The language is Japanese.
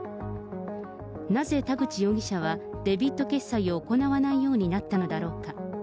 なぜ、田口容疑者はデビット決済を行わないようになったのだろうか。